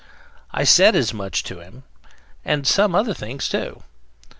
I said as much to him and some other things too.